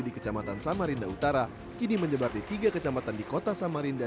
di kecamatan samarinda utara kini menyebar di tiga kecamatan di kota samarinda